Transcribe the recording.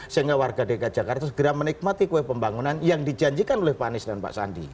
sehingga warga dki jakarta segera menikmati kue pembangunan yang dijanjikan oleh pak anies dan pak sandi